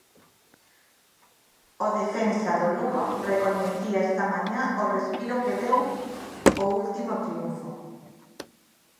O defensa do Lugo recoñecía esta mañá o respiro que deu o último triunfo.